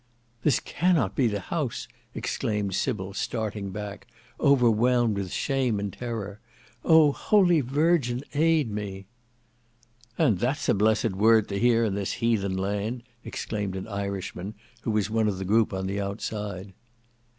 "This cannot be the house," exclaimed Sybil starting back, overwhelmed with shame and terror. "O! holy Virgin aid me!" "And that's a blessed word to hear in this heathen land," exclaimed an Irishman, who was one of the group on the outside.